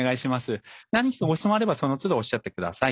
何かご質問があればそのつどおっしゃってください。